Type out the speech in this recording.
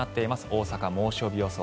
大阪、猛暑日予想。